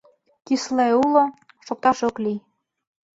Кӱсле уло — шокташ ок лий.